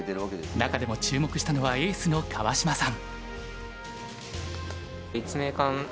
中でも注目したのはエースの川島さん。